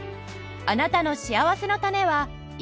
あなたのしあわせのたねは今どこに？